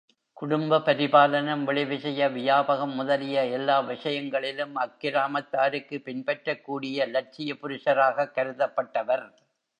குடும்ப பரிபாலனம், வெளி விஷய வியாபகம் முதலிய எல்லா விஷயங்களிலும் அக்கிராமத்தாருக்கு, பின்பற்றக்கூடிய லட்சிய புருஷராகக் கருதப்பட்டவர்.